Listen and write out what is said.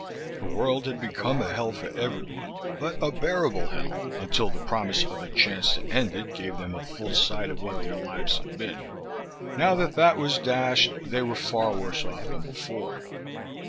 The world had become a hell for everyone, but a bearable hell until the promise of a chance to end it gave them a full sight of what their lives had been. Now that that was dashed they were far worse off than before.